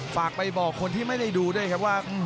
ฝากไปบอกคนที่ไม่ได้ดูด้วยครับว่า